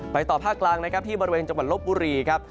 ต่อภาคกลางนะครับที่บริเวณจังหวัดลบบุรีครับ